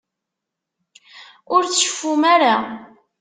Ur tceffum ara.